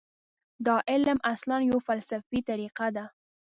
دا علم اصلاً یوه فلسفي طریقه ده.